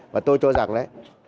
và tôi cho rằng là